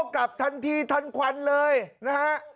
กลับทันทีทันควันเลยนะฮะ